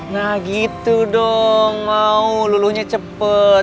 nah gitu dong mau luluhnya cepat